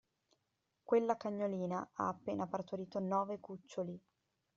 Quella cagnolina ha appena partorito nove cuccioli.